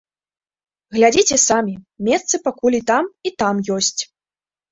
Глядзіце самі, месцы пакуль і там, і там ёсць.